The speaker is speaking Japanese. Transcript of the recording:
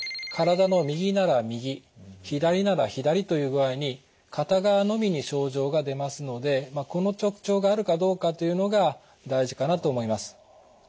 体の右なら右左なら左という具合に片側のみに症状が出ますのでこの特徴があるかどうかというのが大事かなと思います。